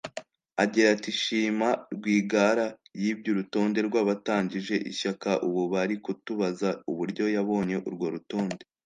Agira ati “Shima Rwigara yibye urutonde rw’abatangije ishyaka ubu bari kutubaza uburyo yabonye urwo rutonde